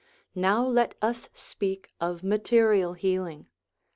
Now let us speak of material healing.